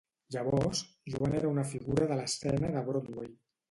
Llavors, Joan era una figura de l'escena de Broadway.